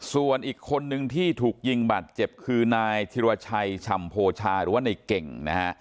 ส่วนอีกคนนึงที่ถูกยิงบาดเจ็บคือนายธิรชัยชำโพชาหรือว่าในเก่งนะฮะ